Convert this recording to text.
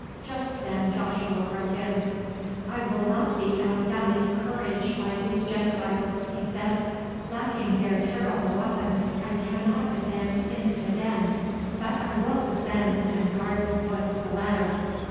Just then Joshua broke in: "I will not be outdone in courage by these Gentiles," he said. "Lacking their terrible weapons, I cannot advance into the den, but I will descend and guard the foot of the ladder."